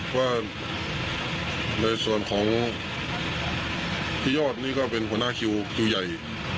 ว่าในส่วนของพี่ยอดนี่ก็เป็นหัวหน้าคิวคิวใหญ่